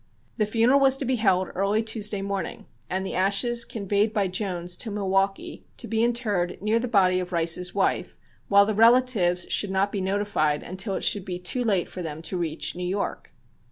The funeral was to be held early Tuesday morning and the ashes conveyed by Jones to Milwaukee, to be interred near the body of Rice's wife, while the relatives should not be notified until it should be too late for them to reach New York.